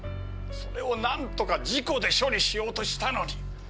それをなんとか事故で処理しようとしたのに。